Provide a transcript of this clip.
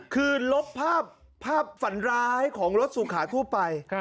คือลบภาพฝันร้ายของรถสุขาทั่วไป